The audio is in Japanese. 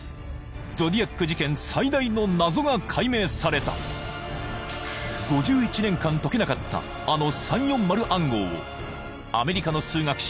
ゾディアック事件最大の謎が解明された５１年間解けなかったあの３４０暗号をアメリカの数学者